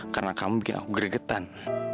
karena kamu bikin aku gregetan